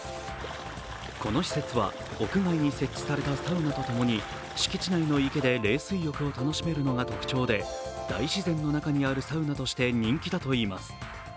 この施設は、屋外に設置されたサウナとともに、敷地内の池で冷水浴が楽しめるのが特徴で大自然の中にあるサウナとして人気だといいます。